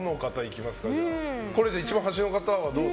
一番端の方。